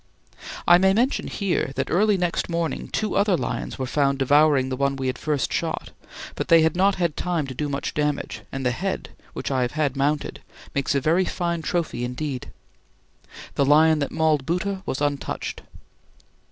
I may mention here that early next morning two other lions were found devouring the one we had first shot; but they had not had time to do much damage, and the head, which I have had mounted, makes a very fine trophy indeed. The lion that mauled Bhoota was untouched.